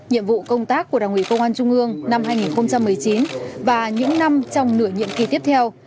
nhiệm vụ công tác của đảng ủy công an trung ương năm hai nghìn một mươi chín và những năm trong nửa nhiệm kỳ tiếp theo